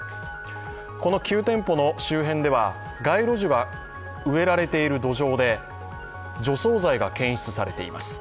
この９店舗の周辺では街路樹が植えられている土壌で除草剤が検出されています。